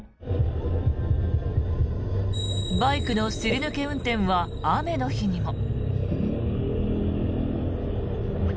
バイクのすり抜け運転は雨の日にも。